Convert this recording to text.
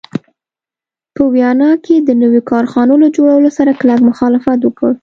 په ویانا کې د نویو کارخانو له جوړولو سره کلک مخالفت وکړ.